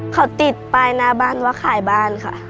เขาติดป้ายหน้าบ้านว่าขายบ้านค่ะ